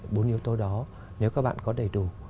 bốn yếu tố đó nếu các bạn có đầy đủ